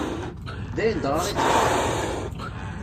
D ayen dɣa i d-qqareɣ.